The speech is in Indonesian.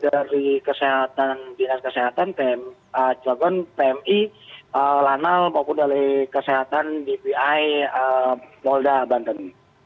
di asas kesehatan pmi lanau maupun dari kesehatan dpi polda banten